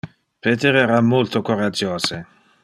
Peter era multo coragiose.